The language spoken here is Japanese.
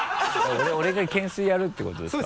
俺が懸垂やるってことですか？